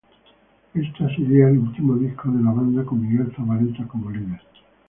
Este sería el último disco de la banda con Miguel Zavaleta como líder.